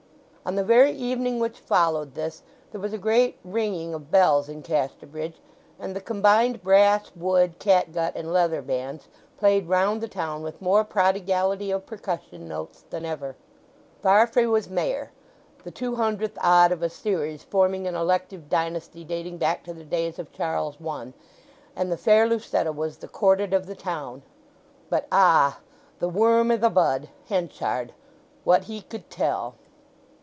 On the very evening which followed this there was a great ringing of bells in Casterbridge, and the combined brass, wood, catgut, and leather bands played round the town with more prodigality of percussion notes than ever. Farfrae was Mayor—the two hundredth odd of a series forming an elective dynasty dating back to the days of Charles I—and the fair Lucetta was the courted of the town.... But, Ah! the worm i' the bud—Henchard; what he could tell!